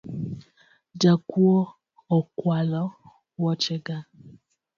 Jakuo okwalo woche ga.